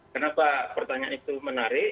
kenapa pertanyaan itu menarik